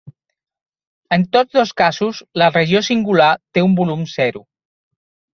En tots dos casos, la regió singular té un volum zero.